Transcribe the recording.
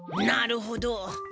なるほど！